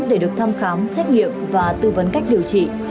để được thăm khám xét nghiệm và tư vấn cách điều trị